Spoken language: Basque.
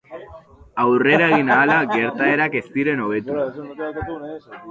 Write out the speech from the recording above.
Aurrera egin ahala, gertaerak ez ziren hobetu.